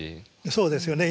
そうですよね。